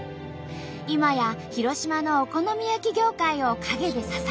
今や広島のお好み焼き業界を陰で支える存在になっています。